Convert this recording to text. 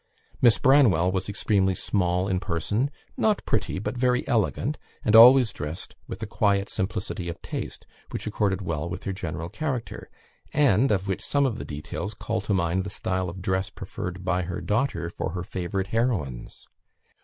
Miss Branwell was extremely small in person; not pretty, but very elegant, and always dressed with a quiet simplicity of taste, which accorded well with her general character, and of which some of the details call to mind the style of dress preferred by her daughter for her favourite heroines.